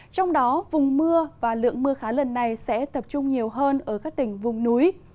trong đó vùng mưa và lượng mưa khá lần này sẽ tập trung nhiều hơn ở các tỉnh vùng núi